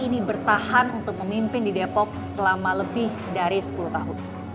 tidak ada percaya bahwa ada kemampuan untuk memimpin di depok selama lebih dari sepuluh tahun